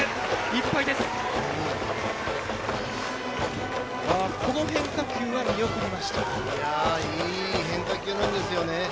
いい変化球なんですよね。